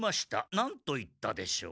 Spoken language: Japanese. なんといったでしょう」。